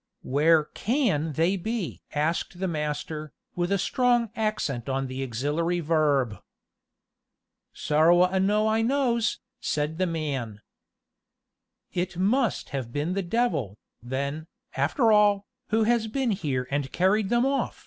"Where can they be?" asked the master, with a strong accent on the auxiliary verb. "Sorrow a know I knows," said the man. "It must have been the devil, then, after all, who has been here and carried them off!"